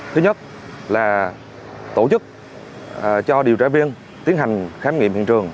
thứ nhất là tổ chức cho điều tra viên tiến hành khám nghiệm hiện trường